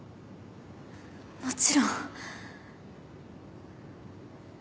もちろん。